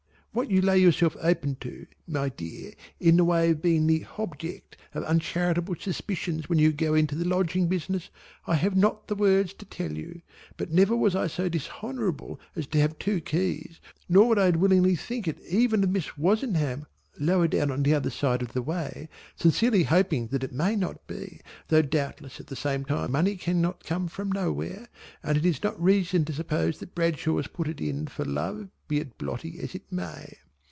What you lay yourself open to my dear in the way of being the object of uncharitable suspicions when you go into the Lodging business I have not the words to tell you, but never was I so dishonourable as to have two keys nor would I willingly think it even of Miss Wozenham lower down on the other side of the way sincerely hoping that it may not be, though doubtless at the same time money cannot come from nowhere and it is not reason to suppose that Bradshaws put it in for love be it blotty as it may.